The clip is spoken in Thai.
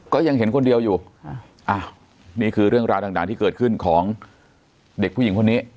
ก็ยังเห็นคนเดียวอยู่นี่คือเรื่องราวต่างที่เกิดขึ้นของเด็กผู้หญิงคนนี้